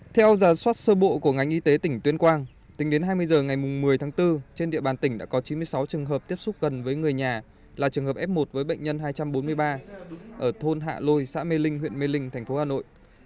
theo giả soát sơ bộ của ngành y tế tỉnh tuyên quang tính đến hai mươi h ngày một mươi tháng bốn trên địa bàn tỉnh đã có chín mươi sáu trường hợp tiếp xúc gần với người nhà là trường hợp f một với bệnh nhân hai trăm bốn mươi ba ở thôn hạ lôi xã mê linh huyện mê linh thành phố hà nội